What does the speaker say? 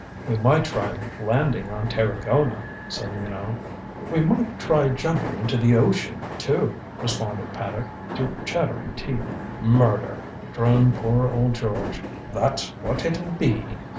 "We might try landing on Tarragona," said Minot. "We might try jumping into the ocean, too," responded Paddock, through chattering teeth. "Murder," droned poor old George. "That's what it'll be."